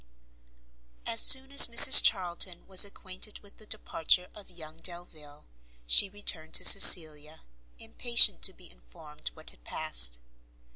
As soon as Mrs Charlton was acquainted with the departure of young Delvile, she returned to Cecilia, impatient to be informed what had passed.